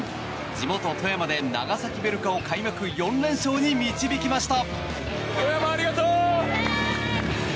地元・富山で長崎ヴェルカを開幕４連勝に導きました。